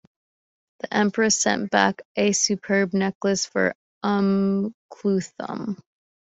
The Empress sent back a "superb" necklace for Umm Kulthum.